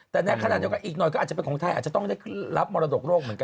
แต่ในขณะเดียวกันอีกหน่อยก็อาจจะเป็นของไทยอาจจะต้องได้รับมรดกโลกเหมือนกัน